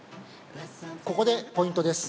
ここでポイントです。